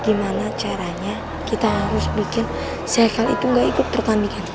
gimana caranya kita harus bikin cycle itu gak ikut pertandingan